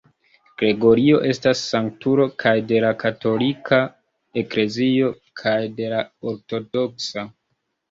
Gregorio estas sanktulo kaj de la katolika eklezio kaj de la ortodoksa.